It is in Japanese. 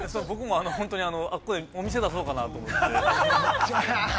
◆僕も、お店出そうかなと思って。